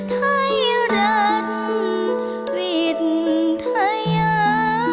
ไทยรักเวทยา